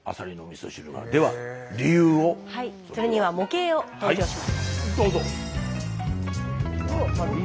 それには模型を登場させます。